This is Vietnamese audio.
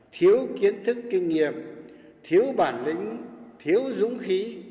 thiếu kiến thức kinh nghiệm thiếu bản lĩnh thiếu dũng khí